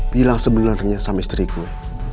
bilang sebenarnya sama istri gue